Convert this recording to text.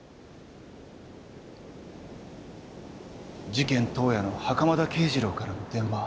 事件当夜の袴田啓二郎からの電話。